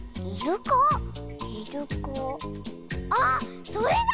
ああっそれだ！